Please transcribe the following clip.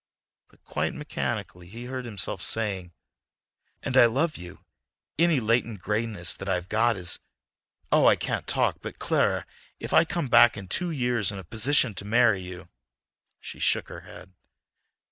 But quite mechanically he heard himself saying: "And I love you—any latent greatness that I've got is... oh, I can't talk, but Clara, if I come back in two years in a position to marry you—" She shook her head.